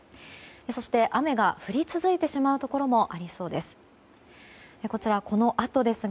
そして、雨が降り続いてしまうところもありそうです。